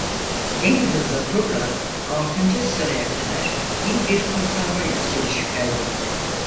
En hızlı turla altıncı sıraya kadar iyi bir kurtarma yükselişi kaydetti.